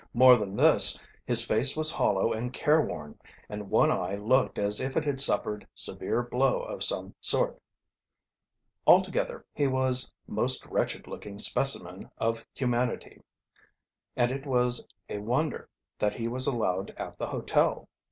More than this, his face was hollow and careworn, and one eye looked as if it had suffered severe blow of some sort. Altogether he was most wretched looking specimen of humanity, and it was a wonder that he was allowed at the hotel.